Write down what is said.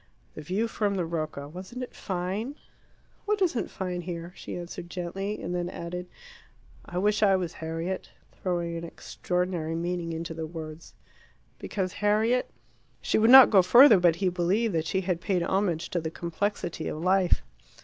"The view from the Rocca wasn't it fine?" "What isn't fine here?" she answered gently, and then added, "I wish I was Harriet," throwing an extraordinary meaning into the words. "Because Harriet ?" She would not go further, but he believed that she had paid homage to the complexity of life.